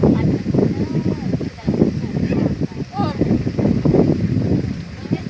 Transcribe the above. ไปแล้ว